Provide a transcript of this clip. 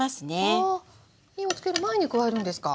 あっ火をつける前に加えるんですか？